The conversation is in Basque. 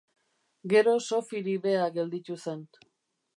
Gero Sofiri beha gelditu zen.